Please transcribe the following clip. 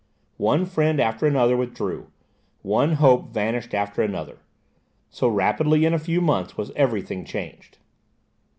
One friend after another withdrew; one hope vanished after another so rapidly in a few months was every thing changed.